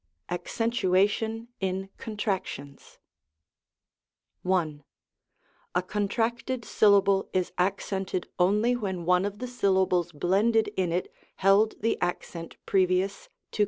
ACCENTUATION IN CONTRACTIONS. I. A contracted syllable is accented only when one of the syllables blended in it held the accent pre%dous §143.